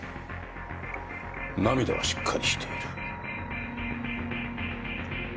涙はしっかりしている。